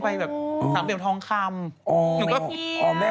ใส่อาหารท้องคำ